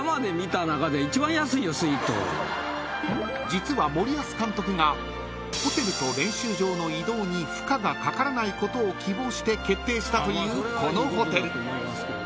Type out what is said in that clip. ［実は森保監督がホテルと練習場の移動に負荷がかからないことを希望して決定したというこのホテル］